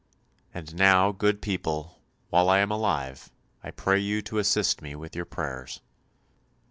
And now, good people, while I am alive, I pray you to assist me with your prayers."